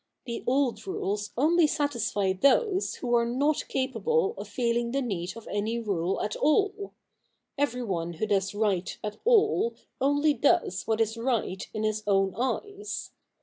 The old rules only satisfy those v;ho are not capable of feeling the need of any rule at all. Every one who does right at all only does what is right in his own eyes.